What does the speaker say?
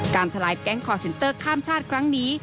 ทลายแก๊งคอร์เซ็นเตอร์ข้ามชาติครั้งนี้